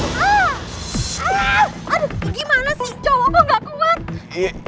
aduh gimana sih cowoknya gak kuat